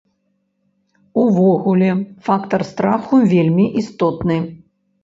Увогуле фактар страху вельмі істотны.